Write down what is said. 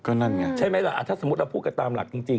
ก็นั่นไงใช่ไหมล่ะถ้าสมมุติเราพูดกันตามหลักจริง